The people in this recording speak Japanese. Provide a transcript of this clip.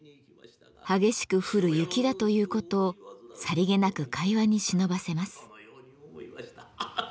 激しく降る雪だということをさりげなく会話にしのばせます。